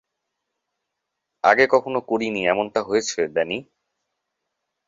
আগে কখনো করিনি এমনটা হয়েছে, ড্যানি?